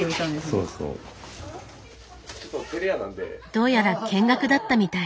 どうやら見学だったみたい。